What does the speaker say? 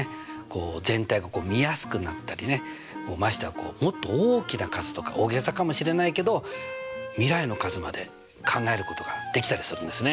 全体が見やすくなったりねましてやもっと大きな数とか大げさかもしれないけど未来の数まで考えることができたりするんですね。